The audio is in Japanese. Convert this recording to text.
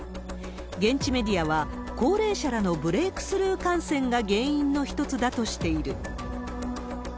現地メディアは高齢者らのブレークスルー感染が原因の一つだとしている。